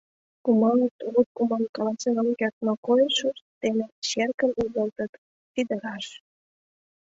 — Кумалыт, огыт кумал — каласен ом керт, но койышышт дене черкым игылтыт, тиде раш.